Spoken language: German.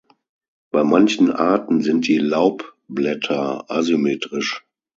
Bei manchen Arten sind die Laubblätter asymmetrisch.